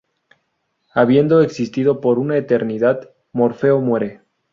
Habiendo existido por una eternidad, Morfeo muere.